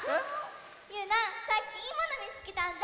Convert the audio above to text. ゆうなさっきいいものみつけたんだ！